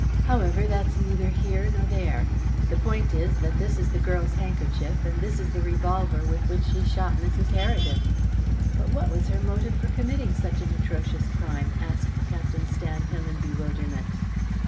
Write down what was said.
However, that's neither here nor there. The point is that this is the girl's handkerchief, and this is the revolver with which she shot Mrs. Heredith." "But what was her motive for committing such an atrocious crime?" asked Captain Stanhill in bewilderment.